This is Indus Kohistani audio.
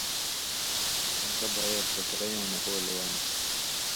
دھان٘کہ بغېر چھترئیوں نہ اولے آن٘س